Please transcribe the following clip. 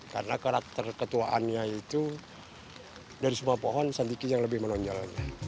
karena karakter ketuaannya itu dari semua pohon santiki yang lebih menonjol